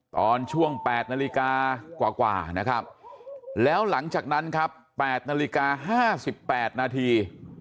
ตอนช่วง๘นาฬิกากว่านะครับแล้วหลังจากนั้นครับ๘นาฬิกา๕๘นาที